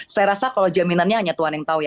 saya rasa kalau jaminannya hanya tuhan yang tahu ya